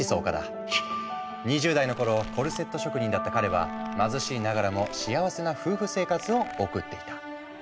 ２０代の頃コルセット職人だった彼は貧しいながらも幸せな夫婦生活を送っていた。